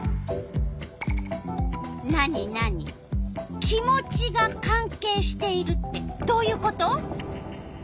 なになに「気持ちが関係している」ってどういうこと？